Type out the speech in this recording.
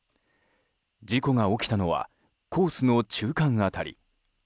事故が起きたのはコースの中間辺り。